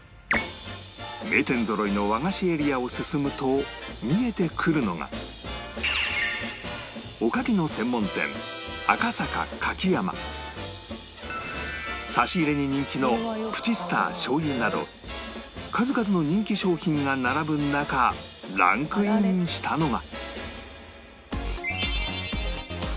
名店ぞろいの和菓子エリアを進むと見えてくるのがおかきの専門店差し入れに人気のプチスター醤油など数々の人気商品が並ぶ中ランクインしたのが